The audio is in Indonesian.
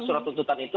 surat tuntutan itu